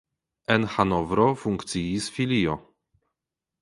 En Hanovro funkciis filio.